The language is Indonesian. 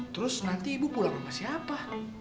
terus nanti ibu pulang sama siapa